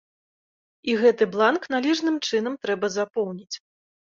І гэты бланк належным чынам трэба запоўніць.